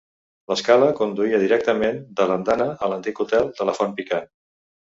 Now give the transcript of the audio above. L'escala conduïa directament de l'andana a l'antic Hotel de la Font Picant.